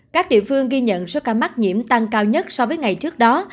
các địa phương ghi nhận số ca mắc nhiễm tăng cao nhất so với ngày trước đó